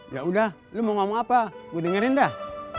ya udah lu mau ngomong apa gua dengerin dah